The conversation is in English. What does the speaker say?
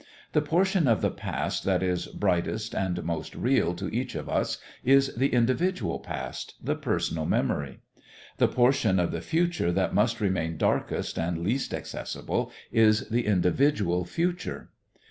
The portion of the past that is brightest and most real to each of us is the individual past the personal memory. The portion of the future that must remain darkest and least accessible is the individual future.